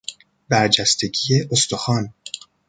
برجستگی استخوان